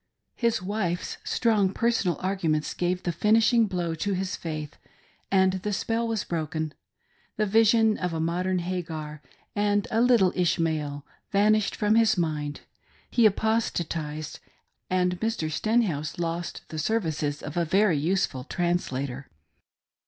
His wife's strong personal arguments gave the finishing blow to his faith, and the spell was broken. The vision of a modern Hagar and a little Ishmael vanished from his mind ; he apostatised — and Mr. Stenhouse lost the services of a very useful translator.